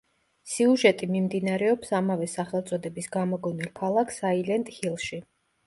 სიუჟეტი მიმდინარეობს ამავე სახელწოდების გამოგონილ ქალაქ საილენტ ჰილში.